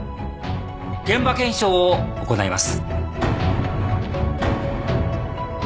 現場検証を行います。